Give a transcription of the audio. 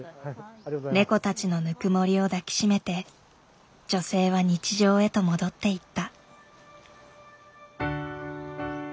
ネコたちのぬくもりを抱き締めて女性は日常へと戻っていった。